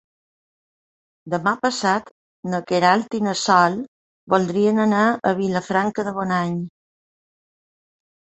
Demà passat na Queralt i na Sol voldrien anar a Vilafranca de Bonany.